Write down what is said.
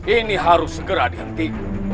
ini harus segera dihenti